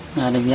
tidak ada biaya